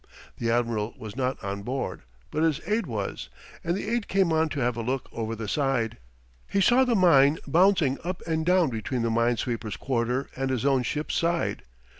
The admiral was not on board, but his aide was, and the aide came on to have a look over the side. He saw the mine bouncing up and down between the mine sweeper's quarter and his own ship's side.